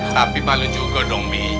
tapi malu juga dong mi